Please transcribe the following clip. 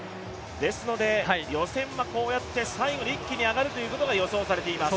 ですので予選はこうやって最後に一気に上がるということが予想されます。